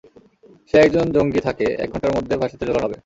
সে একজন জঙ্গি যাকে, এক ঘন্টার মধ্যে ফাঁসিতে ঝুলানো হবে।